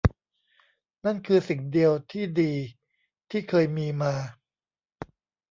นั่นคือสิ่งเดียวที่ดีที่เคยมีมา